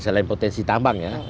selain potensi tambang ya